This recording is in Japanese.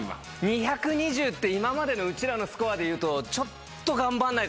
２２０って今までのうちらのスコアでいうとちょっと頑張んないと届かないんですよ。